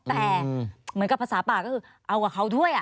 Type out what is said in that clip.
แต่เหมือนกับภาษาปากก็คือเอากับเขาด้วย